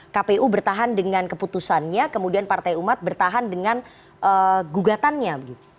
kpu bertahan dengan keputusannya kemudian partai umat bertahan dengan gugatannya